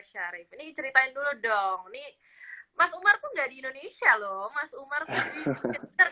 syarif ini ceritain dulu dong nih mas umar tidak di indonesia loh mas umar bisnis ya bisnis panjang